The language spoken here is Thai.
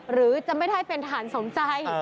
หรือจะไม่ได้เป็นทหารสมใจ